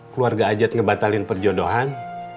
keluarga ajat ngebatalin perjodohan